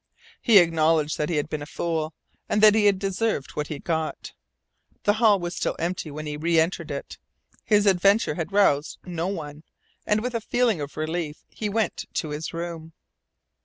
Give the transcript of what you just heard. He acknowledged that he had been a fool, and that he had deserved what he got. The hall was still empty when he reentered it. His adventure had roused no one, and with a feeling of relief he went to his room.